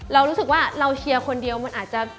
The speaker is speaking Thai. เรารู้สึกว่าเราเชียร์คนเดียวมันอาจจะ